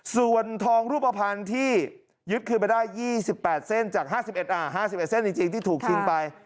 ส่วนทองรูปภัณฑ์ที่ยึดคืนไปได้๒๘เส้นจาก๕๑เส้นจริงที่ถูกทิ้งไป